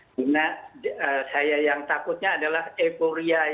karena saya yang takutnya adalah euforia